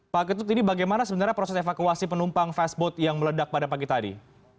pak ketut ini bagaimana sebenarnya proses evakuasi penumpang fast boat yang meledak pada pagi tadi